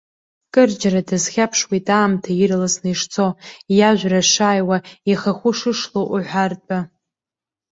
Кырџьара дазхьаԥшуеит аамҭа ирласны ишцо, иажәра шааиуа, ихахәы шышло уҳәа ртәы.